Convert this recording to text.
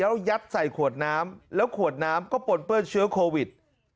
แล้วยัดใส่ขวดน้ำแล้วขวดน้ำก็ปนเปื้อนเชื้อโควิด